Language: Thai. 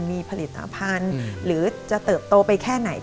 มีผลิตภัณฑ์หรือจะเติบโตไปแค่ไหน